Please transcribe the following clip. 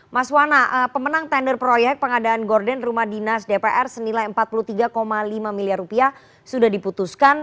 mas wana pemenang tender proyek pengadaan gorden rumah dinas dpr senilai empat puluh tiga lima miliar rupiah sudah diputuskan